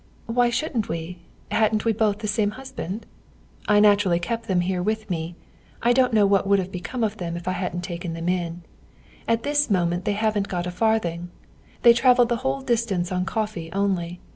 "Why shouldn't we? Hadn't we both the same husband? I naturally kept them here with me. I don't know what would have become of them if I hadn't taken them in. At this moment they haven't got a farthing. They travelled the whole distance on coffee only.